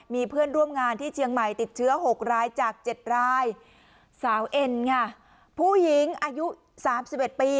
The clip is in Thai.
มีเพื่อนร่วมงานที่เชียงใหม่ติดเชื้อหกรายจากเจ็ดรายสาวเอ็ดง่ะผู้หญิงอายุสามสิบเอ็ดปี